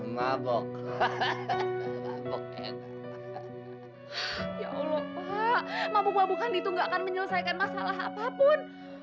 mabok mabokan itu gak akan menyelesaikan masalah apapun